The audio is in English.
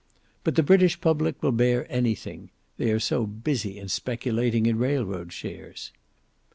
But the British public will bear anything; they are so busy in speculating in railroad shares.